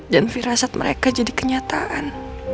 dan viraset mereka jadi kenyataan